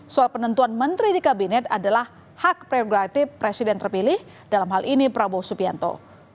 soal penentuan menteri di kabinet adalah hak prerogatif presiden terpilih dalam hal ini prabowo subianto